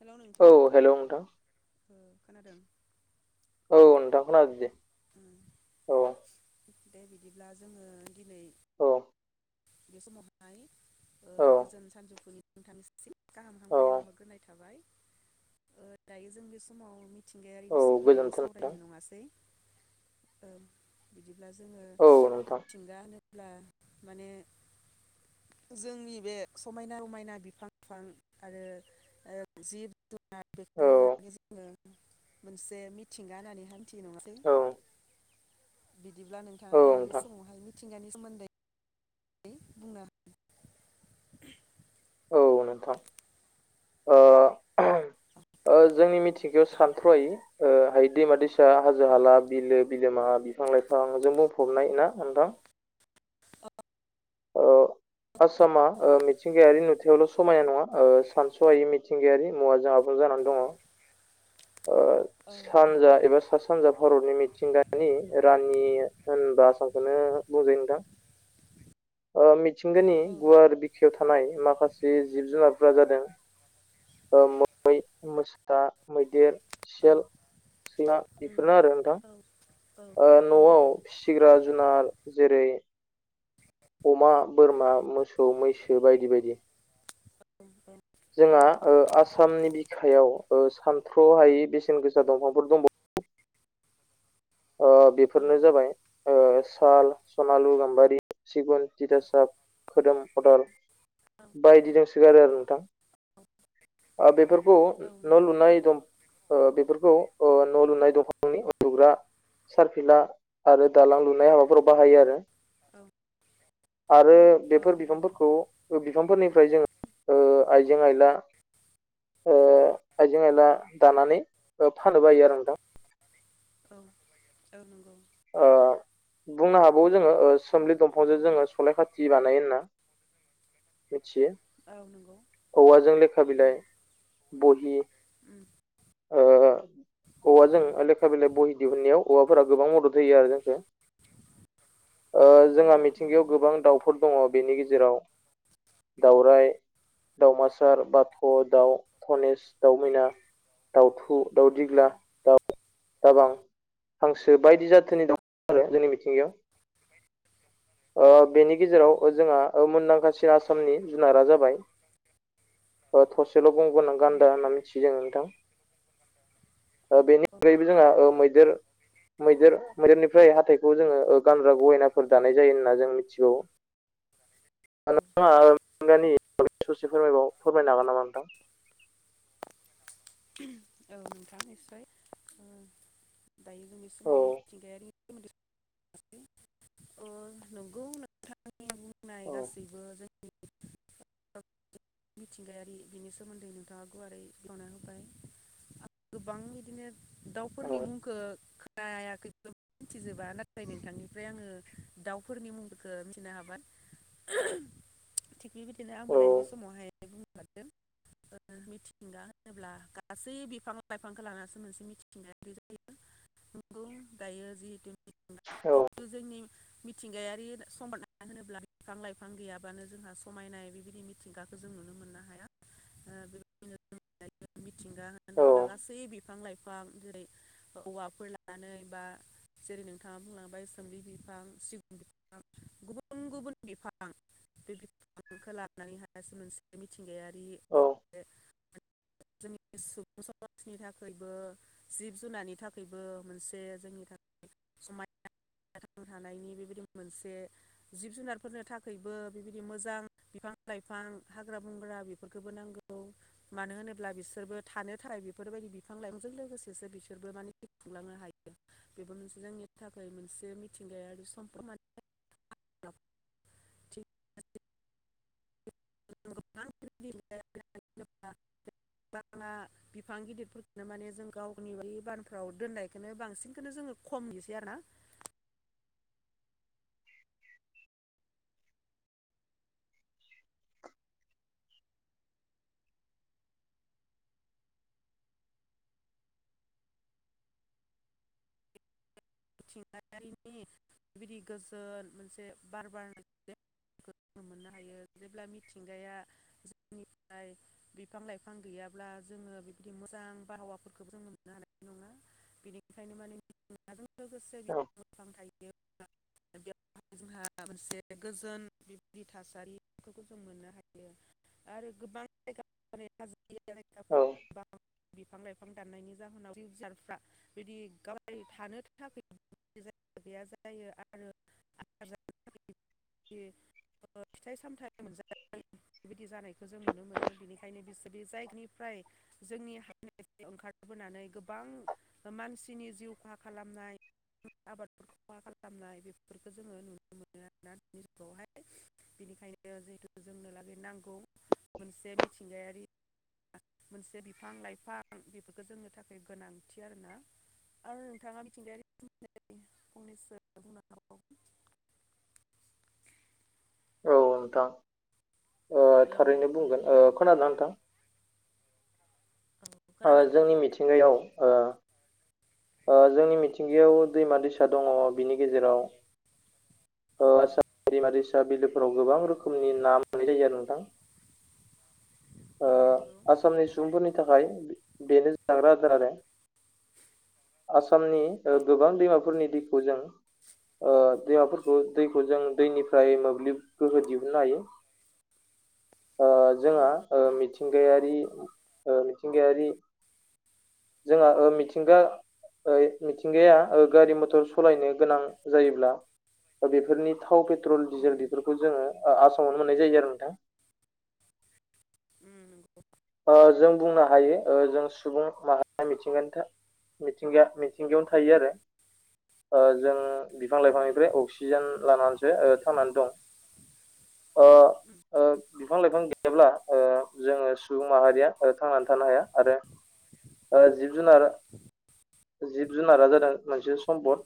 Hello नोंथां औ hello नोंथां। खोनादों? औ नोंथां खोनादो दे। उम औ दे बिदिब्ला जोङो दिनै औ बे समावहाय औ गोजोन सानजौफुनि नोंथांनिसिम गाहाम औ हामग्लायनाय बावहरग्रोनाय थाबाय। ओ दायो जों बे समाव औ मिथिंगायारिनि सोमोन्दै गोजोन्थों नोंथां सावरायनो नङासै? [unintelligible] ब्ला जोङो औ नोंथां मिथिंगा होनोब्ला माने [inaudible] जोंनि बे समायना रमायना बिफां [unintelligible] आरो जिब जुनार आरो औ बेखौनो बागै जोङो मोनसे मिथिंगा होननानै हान्थियो नङासै? औ [inaudible] बिदिब्ला नोंथाङा औ दायो बे नोंथां समावहाय मिथिंगानि सोमोन्दै बुंनो [unintelligible] औ नोंथां ओ [unintelligible] ओ जोंनि मिथिंगायाव सानथ्र'हायि ओ हाय दैमा दैसा हाजो हाला बिलो बिलोमा बिफां लाइफांजों बुंफबनाय ना नोंथां? औ आसामा हागोन ओ मिथिंगायारि नुथायावल' समायना नङा ओ सानस'हायि मिथिंगायारि मुवाजों [unintelligible] जानानै दङ। ओ औ नंगौ सानजा एबा सा सानजा भारतनि मिथिंगानि रानि होनबा आसामखौनो [unintelligible] ओ मिथिंगानि औ नंगौ गुवार बि खायाव थानाय माखासे जिब जुनारफोरा जादों मै, मोसा, मै देर, औ सेल, सैमा उम बेफोरनो आरो नोंथां। औ औ ओ औ न'आव नंगौ फिसिग्रा जुनार जेरै अमा बोरमा मोसौ मैसो बायदि बायदि। औ उम औ जोंहा ओ आसाम आसामनि बिखायाव ओ सानथ्रहायै बेसेन गोसा दंफांफोर दंबावो आ औ बेफोरनो जाबाय ओ साल सनालु गाम्बारि सिगुन दिथासाब खोदोम खदाल नंगौ बायदि दोंसोगारो आरो नोंथां आ बेफोरखौ औ नंगौ औ न नंगौ लुनाय दं ओ बेफोरखौ ओ न लुनाय दंफांनि लुग्रा सारफिला आरो दालां लुनाय हाबाफोराव बाहायो आरो [inaudible] आरो बेफोर बिफांफोरखौ बिफांफोरनिफ्राय जोङो ओ आइजें आइला ओ आइजें आयला दानानै फान्नेबो हायो आरो नोंथां औ औ नंगौ आ बुंनो हाबावो जोङो सोमलि दंफांजों जोङो सलाय खाथि बानायो होना। मिथियो औवाजों लेखा बिलाइ बहि ओ औवाजों लेखा बिलाइ बहि दिहुननायाव औवाफोरा गोबां मदद होयो आरो जोंखौ ओ औ नंगौ औ नंगौ औ जोंहा मिथिंगायाव गोबां दाउफोर दङ बेनि गेजेराव दावराय दावमासार बाथ' दाउ धनेस दाउमैना दाउथु दाउ दिग्ला दाउ दाबां हांसो बायदि जाद आरो जोंनि मिथिंगायाव [inaudible] ओ बेनि नंगौ गेजेराव जोंहा मुंदांखासिन आसामनि जुनारा जाबाय थरसेल' गं गोनां गान्दा होनना मिथियो जों नोंथां औ बेनिखैबो जोंहा ओ मैदेर मैदेर मैदेरनिफ्राय हाथाइखौ जोङो गानग्रा गयनाफोर दानाय जायो होनना जों मिथिगौ नोंथाङा [unintelligible] गानि स'से फोरमायबाव फोरमायनो हागोन नामा नोंथां औ नोंथां निस्सय दायो जोंनि औ समाव मिथिंगायारि [unintelligible] नंगौ नोंथांनि बुंनाय औ गासैबो जोंनि मिथिंगायारि बिनि सोमोन्दै नोंथाङा गुवारै बेखेवना होबाय। गोबां इदिनो दाउफोरनि मुंखो नायाखैखौ मिथिजोबा नाथाय नोंथांनिफ्राय आङो दाउफोरनि मुंफोरखौ मिथिनो हाबाय। [inaudible] थिग बेबायदिनो आंबो औ दायो बे समावहाय बुंनो लादों ओ मिथिंगा होनोब्ला गासै बिफां लाइफांखौ लानासो मोनसे मिथिंगायारि जायो। नंगौ दायो जिहेतुथि औ जिथु जोंनि मिथिंगायारि समबना होनोब्ला बिफां लाइफां गैयाबानो जोंहा समायनाय बिबायदि मिथिंगाखो [inaudible] बेबायदिनो मिथिंगा होनोब्ला गासै बिफां लाइफां [unintelligible] जेरै औवाफोर लानानै बा जेरै नोंथाङा बुंलांबाय सोमलि बिफां सिगुन बिफां गुबुन गुबुन गुबुन बिफां बे बिफांखौ लानानै हायास मोनसे मिथिंगायारि औ। मोनसे जोंनि सुबुं समाजनि थाखायबो जिब जुनारनि थाखायबो मोनसे जोंनि थाखाय समाय थांना थानायनि बेबायदि मोनसे जिब जुनारफोरनो थाखायबो बेबायदि मोजां बिफां बिफां लाइफां हाग्रा बंग्रा बेफोरखौबो नांगौ मानो होनोब्ला अब्ला बिसोरबो थानो थाखाय बेफोरबायदि बिफां लाइफांजों लोगोसेसो बिसोरबो माने खुंलांनो हायो। बेबो मोनसे जोंनि थाखाय मोनसे मिथिंगायारि सम्पद [unintelligible] [unintelligible] [inaudible] [unintelligible] बिफां गिदिरफोरखौनो माने जों गावनि बानफ्राव दोननायखौनो बांसिनखौनो जोङो। खम नुयोसै आरो ना। [inaudible] मिथिंगायारिनि बे बिदि गोजोन मोनसे बार बारनाय [unintelligible] मोननो हायो जेब्ला मिथिंगाया जोंनिफ्राय बिफां लाइफां गैयाब्ला जोङो बिबदि मोजां बाहावाफोरखौबो जों मोननो हाया [unintelligible] [unintelligible] जोंहा मोनसे गोजोन बेबायदि थासारिफोरखौ जों मोननो हायो। आरो गोबां औ [unintelligible] बिफां लाइफां दाननायनि जाहोनाव जिब जुनारफ्रा बिदि गावाय थानो थाख [unintelligible] [unintelligible] बेबायदि जानायखौ जों नुनो मोनो बेनिखायनो बिसोरनि जायगनिफ्राय जोंनि [unintelligible] बोनानै गोबां मानसिनि जिउ खहा खालामनाय आबादफोरखौ मा खालामनाय बेफोरखौ जोङो नुनो मोनो आरोना दानि जुगावहाय। बिनिखायनो जिहेतु जोंनोलागै नांगौ मोनसे मिथिंगायारि मोनसे बिफां लाइफां बेफोरखौ जोंनि थाखाय गोनांथि आरोना। आरो नोंथाङा मिथिंगायारि फंनैसो बुंनो [unintelligible] [unintelligible] औ नोंथां ओ हेलौ थारैनो नों बुंगोन ओं औ खोनादों नोंथां? औ ओ खोनादों जोंनि मिथिंगायाव ओ ओ जोंनि मिथिंगायाव दैमा दैसा दङ बिनि गेजेराव औ ओ आदसा दैमा दैसा बिलोफोराव गोबां रोखोमनि ना मोननाय जायो आरो नोंथां। ओ औ नंगौ आसामनि सुबुंफोरनि थाखाय बेनो जाग्रा आदार आरो। आसामनि गोबां ओ दैमाफोरनि दैखौ जों। ओ दैमाफोरखौ दैखौ जों दैनिफ्राय मोब्लिब गोहो दिहुननो हायो। ओ औ जोंहा नंगौ ओ नोंथां मिथिंगायारि ओ मिथिंगायारि जोंहा ओ मिथिंगा ओइ मिथिंगाया गारि मथर सालायनो गोनां जायोब्ला बेफोरनि थाव पेट्रल डिजेल उम बेफोरखौ जोङो आसामावनो मोननाय जायो आरो नोंथां। [inaudible] उम नंगौ ओ जों बुंनो हायो जों सुबुं माहारिया मिथिंगानि था मिथिंगाया मिथिंगायावनो थायो आरो ओ जों औ बिफां-लाइफांनिफ्राय नंगौ अक्सिजेन लानानैसो थांनानै ओ दं। ओ उम ओ बिफां-लाइफां गैयाब्ला ओ जोङो सुबुं ओ माहारिया थांनानै थानो हाया आरो ओ जिब-जुनार जिब-जुनारा जादों मोनसे सम्पद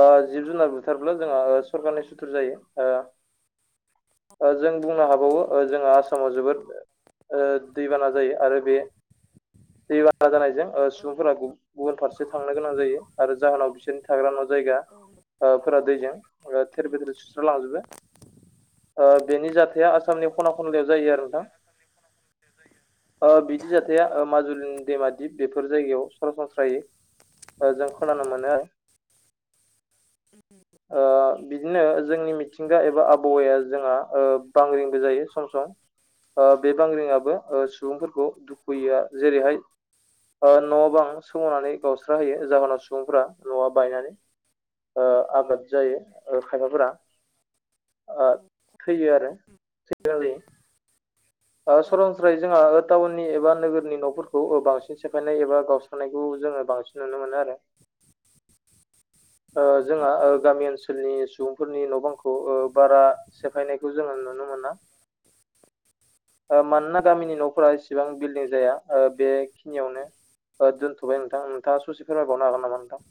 ओ जिब-जुनार [unintelligible] औ जोङो ओ सरखारनिसिम सु थुर जायो ओ जों बुंनो हाबावो ओ जोंहा आसामाव जोबोद ओ दैबाना जायो आरो बे दै बारा जानायजों ओ औ सुबुंफोरा गुबुन फारसे थांनो गोनां जायो। आरो जाहोनाव बिसोरनि थाग्रा न' जायगा उम औ ओ फोरा दैजों थेर बेथेर सुस्र लांजोबो। ओ बेनि जाथाया आसामनि खना खनलायाव जायो आरो नोंथां। ओ बिदि नंगौ जाथाया माजुलि दैमा दिब बेफोर जायगायाव सरासनस्रायै जों औ औ खहा जानायखौ खोनानो औ मोनो। [inaudible] ओ बिदिनो जोंनि मिथिंगा एबा आबहावाया जोंहा ओ बांग्रिंबो जायो सम सम ओ बे बांग्रिङाबो ओ सुबुंफोरखौ दुखु होयो जेरैहाय ओ न' बां सोमावनानै गावस्रा होयो जाहोनाव सुबुंफोरा न'आ बायनानै ओ आबाद जायो ओ खायफाफोरा ओ थैयो आरो [unintelligible] ओ सरनस्रायै जोंहा आरो टाउन एबा नोगोरनि न'फोरखौ बांसिन सेफायनाय एबा गावस्रनायखौ जोङो बांसिन नुनो मोनो आरो [inaudible] ओ जोंहा ओ गामि ओनसोलनि सुबुंफोरनि न' बांखौ ओ बारा सेफायनायखौ जोङो नुनो मोना। ओ नुनो मानोना मोना औ गामिनि न'फोरा एसिबां बिल्डिं जाया ओ बेखिनियावनो ओ दोन्थ'बाय नोंथां नोंथाङा ससे फोरमाय बावनो हागोन नामा नोंथां?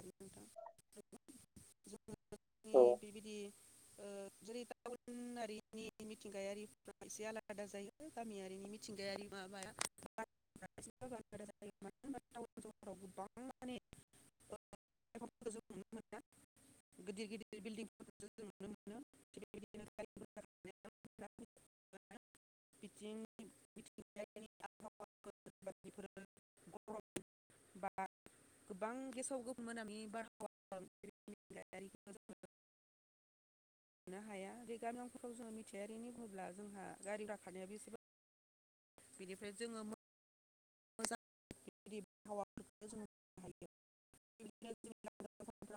आरो नोंथां ए औ बेबायदि ओ जेरै टाउन गुबुनारिनि मिथिंगायारिफ्रा एसे आलादा जायो गामियारिनि मिथिंगायारि माबाया [unintelligible] एफोरखौ जों नुनो मोनदों [unintelligible] गिदिर गिदिर बिल्डिंफोरखौ जों नुनो मोनो थिग बेबायदिनो [unintelligible] बिथिं [unintelligible] बायदिफोर [unintelligible] बा गोबां गेसाव गोफोना बि बारहावाजों [unintelligible] [inaudible] मोननो हाया रेगाबोनांफोरखौ जोङो मिथिथायारिनि बुंब्ला जोंहा गारि गाखानाया बेसेबा बेनिफ्राय जोङो [unintelligible] नुयो। [inaudible]